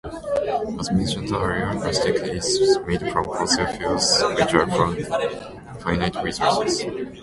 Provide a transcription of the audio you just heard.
As mentioned earlier, plastic is made from fossil fuels, which are finite resources.